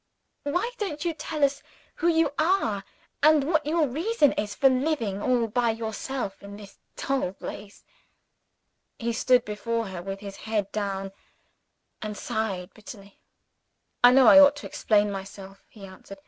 "Why don't you tell us who you are, and what your reason is for living all by yourself in this dull place?" He stood before her, with his head down, and sighed bitterly. "I know I ought to explain myself," he answered.